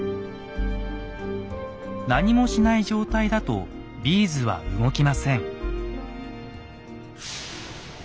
何もしない状態だとビーズは動きません。